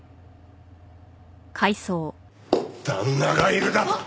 旦那がいるだと！？